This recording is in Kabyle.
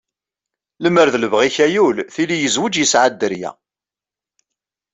Limer d libɣi-k ayul, tili yezweǧ yesɛa dderya.